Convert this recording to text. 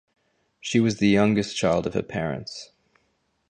She was the youngest child of her parents.